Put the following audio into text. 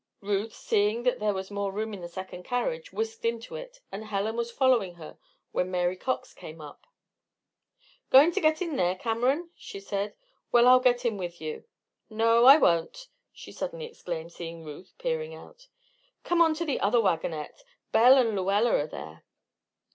Ruth, seeing that there was more room in the second carriage, whisked into it, and Helen was following her when Mary Cox came up. "Going to get in here, Cameron?" she said. "Well, I'll get in with you no, I won't!" she suddenly exclaimed, seeing Ruth peering out. "Come on to the other wagonette; Belle and Lluella are there."